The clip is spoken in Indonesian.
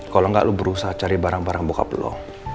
kalau gak lu berusaha cari barang barang bokap lo